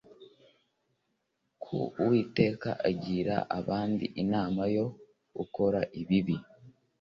ku Uwiteka akagira abandi inama yo gukora ibibi